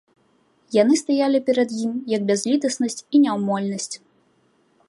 Яны стаялі перад ім, як бязлітаснасць і няўмольнасць.